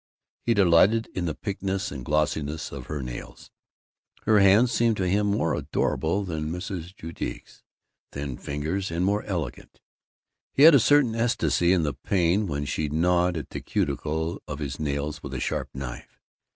He delighted in the pinkness and glossiness of her nails. Her hands seemed to him more adorable than Mrs. Judique's thin fingers, and more elegant. He had a certain ecstasy in the pain when she gnawed at the cuticle of his nails with a sharp knife.